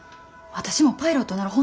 私もパイロットなろ。